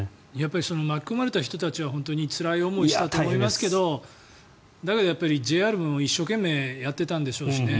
巻き込まれた人たちはつらい思いをしたと思いますがだけどＪＲも一生懸命やっていたんでしょうしね。